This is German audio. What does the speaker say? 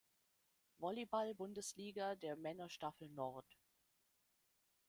Volleyball-Bundesliga der Männer Staffel Nord.